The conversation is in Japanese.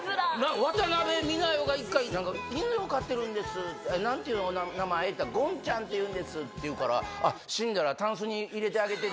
渡辺美奈代が一回、犬を飼ってるんです、なんていう名前？って言ったら、ゴンちゃんっていうんですっていうから、あっ、死んだらたんすに入れてあげてね。